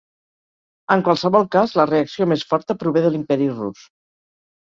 En qualsevol cas, la reacció més forta prové de l'Imperi Rus.